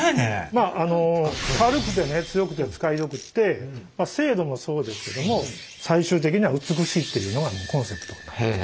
まあ軽くてね強くて使いよくって精度もそうですけども最終的には美しいっていうのがコンセプトになってます。